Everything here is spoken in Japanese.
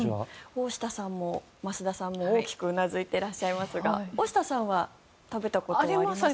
大下さんも増田さんも大きくうなずいてらっしゃいますが大下さんは食べたことありますか？